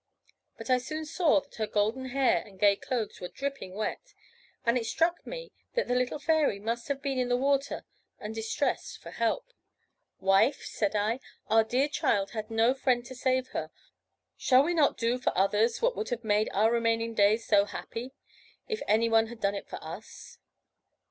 But I soon saw that her golden hair and gay clothes were dripping wet, and it struck me the little fairy must have been in the water and distressed for help. 'Wife,' said I, 'our dear child had no friend to save her; shall we not do for others what would have made our remaining days so happy, if anyone had done it for us?'